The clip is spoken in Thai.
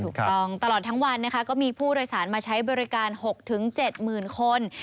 ถูกต้องตลอดทั้งวันนะคะก็มีผู้โดยสารมาใช้บริการ๖๗หมื่นคน